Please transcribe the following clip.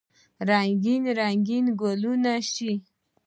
رنګین، رنګین ګلونه سي